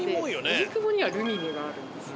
荻窪にはルミネがあるんですよ。